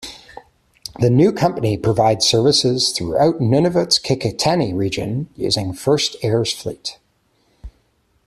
The new company provides services throughout Nunavut's Qikiqtani Region using First Air's fleet.